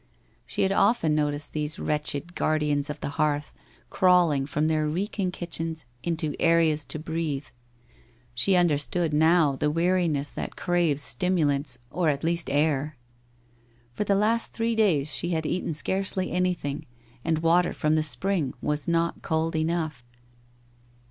She had often noticed these wretched guar dians of the hearth crawling, from their reeking kitchens into areas to breathe. She understood now the weariness tbat craves stimulants or at least air. For the last three days she had eaten scarcely anything, and water from the spring was never cold enough.